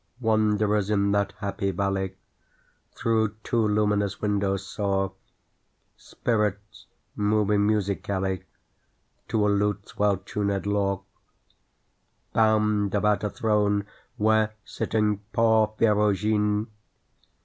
Wanderers in that happy valley, Through two luminous windows, saw Spirits moving musically, To a lute's well tunëd law, Bound about a throne where, sitting (Porphyrogene!)